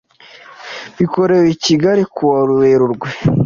Bikorewe i Kigali kuwa Werurwe